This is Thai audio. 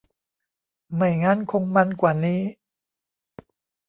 ไม่งั้นคงมันกว่านี้